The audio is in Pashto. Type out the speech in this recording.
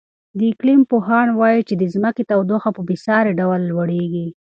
د اقلیم پوهان وایي چې د ځمکې تودوخه په بې ساري ډول لوړېږي.